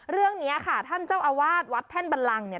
เรื่องนี้ค่ะท่านเจ้าอาวาสวัดแท่นบันลังเนี่ย